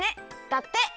だって。